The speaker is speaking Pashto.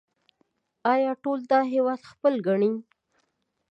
آیا ټول دا هیواد خپل ګڼي؟